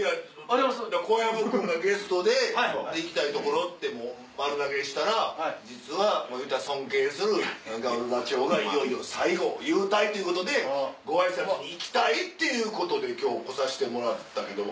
小籔君がゲストで行きたい所ってもう丸投げしたら実はいうたら尊敬する川畑座長がいよいよ最後勇退っていうことでご挨拶に行きたいっていうことで今日来さしてもらったけど。